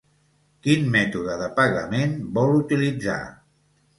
Quin mètode de pagament vol utilitzar?